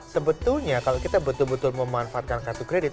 sebetulnya kalau kita betul betul memanfaatkan kartu kredit